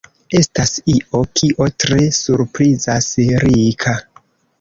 Estas io, kio tre surprizas Rika.